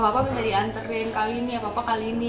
bapak bisa diantarin kali ini apa apa kali ini